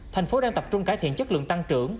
thành phố đang tập trung cải thiện chất lượng tăng trưởng